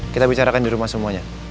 kita bicarakan di rumah semuanya